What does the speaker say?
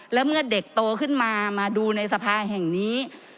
แล้วเมื่อเด็กโตขึ้นมามาดูในสภาแห่งนี้